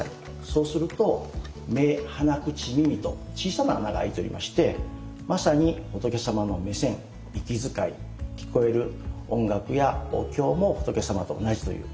そうすると目・鼻・口・耳と小さな穴が開いておりましてまさに仏様の目線息遣い聞こえる音楽やお経も仏様と同じという。